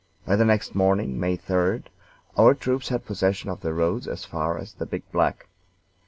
By the next morning, May 3d, our troops had possession of the roads as far as the Big Black.